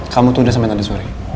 kamu tunda sampe tadi sore